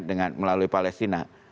dengan melalui palestina